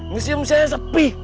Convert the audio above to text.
museum saya sepi